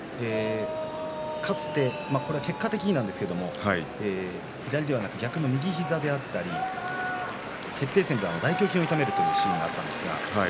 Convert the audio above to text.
かつて、結果的になんですが左ではなく逆に右膝であったり決定戦では大胸筋を痛めるシーンがありました。